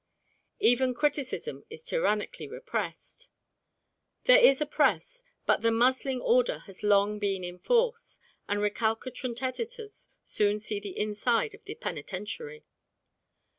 Even criticism is tyrannically repressed. There is a Press, but the muzzling order has long been in force, and recalcitrant editors soon see the inside of the Penitentiary.